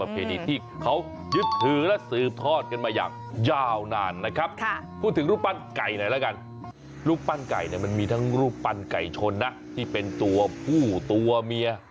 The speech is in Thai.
พูดถึงรูปปั้นไก่หน่อยละกันรูปปั้นไก่ดนามันมีทั้งรูปปั้นไก่ชนะที่เป็นตัวผู้ตัวเมีย